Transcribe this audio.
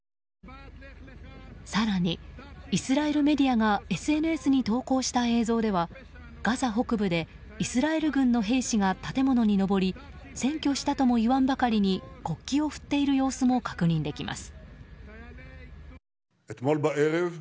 更に、イスラエルメディアがＳＮＳに投稿した映像ではガザ北部でイスラエル軍の兵士が建物に上り占拠したとも言わんばかりに国旗を振っている様子も確認できます。